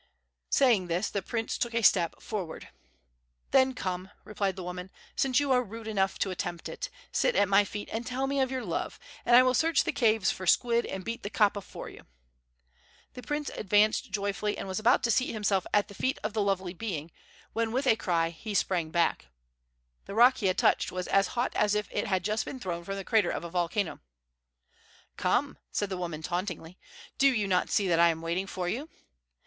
Saying this, the prince took a step forward. "Then come," replied the woman, "since you are rude enough to attempt it. Sit at my feet and tell me of your love, and I will search the caves for squid and beat the kapa for you." The prince advanced joyfully, and was about to seat himself at the feet of the lovely being, when with a cry of pain he sprang back. The rock he had touched was as hot as if it had just been thrown from the crater of a volcano. "Come," said the woman tauntingly; "do you not see that I am waiting for you?"